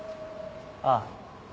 ああ。